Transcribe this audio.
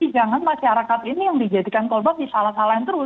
jangan masyarakat ini yang dijadikan korban disalah salahin terus